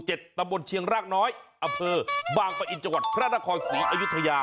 ตะบดเชียงรากน้อยอเฟอร์บางประอินจังหวัดพระนครศรีอายุทยา